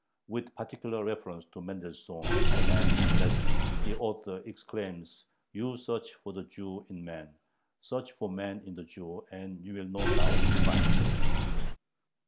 With particular reference to Mendelssohn and Lessing the author exclaims: "You search for the Jew in man. Search for man in the Jew, and you will no doubt find him."